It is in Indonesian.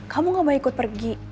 kamu gak mau ikut pergi